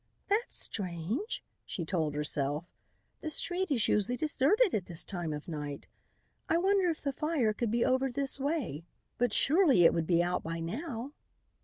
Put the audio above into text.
"That's strange!" she told herself. "The street is usually deserted at this time of night. I wonder if the fire could be over this way; but surely it would be out by now."